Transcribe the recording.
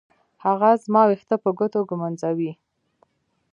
هغه زما ويښته په ګوتو ږمنځوي.